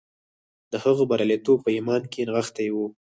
د هغه برياليتوب په ايمان کې نغښتی و.